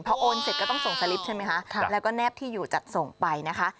พอโอนเสร็จก็ต้องส่งสลิปใช่ไหมคะแล้วก็แนบที่อยู่จัดส่งไปนะคะ